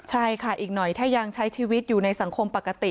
ใช่ค่ะอีกหน่อยถ้ายังใช้ชีวิตอยู่ในสังคมปกติ